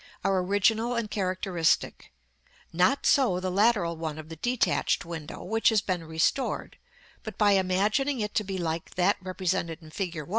are original and characteristic: not so the lateral one of the detached window, which has been restored; but by imagining it to be like that represented in fig.